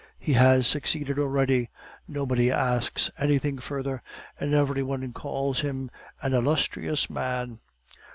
he has succeeded already; nobody asks anything further, and every one calls him an illustrious man.